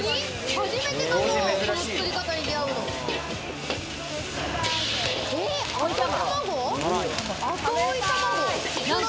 初めてかも、この作り方に出会うの。